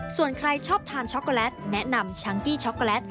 ส่วนใครชอบทานช็อกโกแลตแนะนำชังกี้ช็อกโกแลต